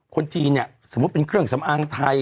คนจีนเนี่ยสมมุติเป็นเครื่องสำอางไทย